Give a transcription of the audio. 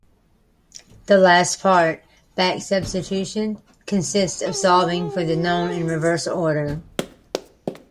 The last part, back-substitution, consists of solving for the known in reverse order.